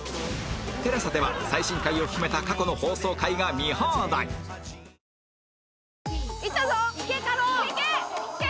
ＴＥＬＡＳＡ では最新回を含めた過去の放送回が見放題え？